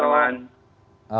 kasi pak eko